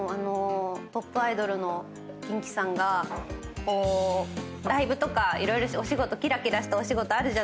トップアイドルのキンキさんがライブとか色々キラキラしたお仕事あるじゃないですか。